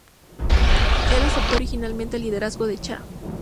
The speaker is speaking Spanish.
Él aceptó originalmente el liderazgo de Cha.